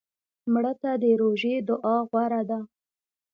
مړه ته د روژې دعا غوره ده